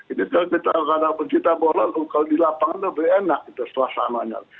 ini kadang kadang pencinta bola kalau di lapangan itu enak suasananya